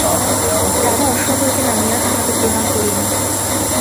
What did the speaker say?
রাজা অশ্ব হইতে নামিয়া তাঁহাকে প্রণাম করিলেন।